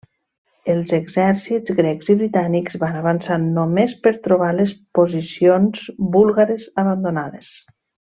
Els exèrcits grecs i britànics van avançar només per trobar les posicions búlgares abandonades.